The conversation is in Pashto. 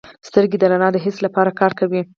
سترګې د رڼا د حس لپاره کار کوي.